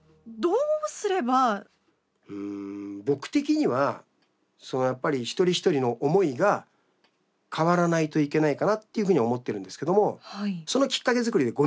うん僕的にはやっぱり一人一人の思いが変わらないといけないかなっていうふうに思ってるんですけどもそのきっかけづくりでごみ拾いしてます。